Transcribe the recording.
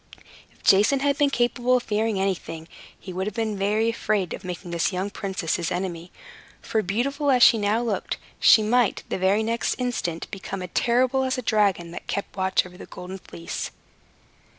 If Jason had been capable of fearing anything, he would have been afraid of making this young princess his enemy; for, beautiful as she now looked, she might, the very next instant, become as terrible as the dragon that kept watch over the Golden Fleece.